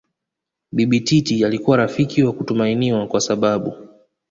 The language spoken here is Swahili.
Bibi Titi alikuwa rafiki wa kutumainiwa kwa sababu